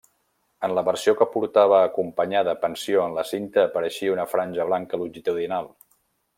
En la versió que portava acompanyada pensió en la cinta apareixia una franja blanca longitudinal.